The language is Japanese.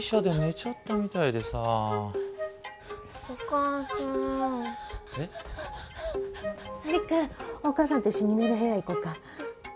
璃久お母さんと一緒に寝る部屋行こうか。